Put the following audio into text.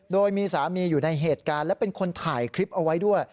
โดยมีสามีอยู่ในเหตุการณ์และเป็นคนถ่ายคลิปเอาไว้ด้วย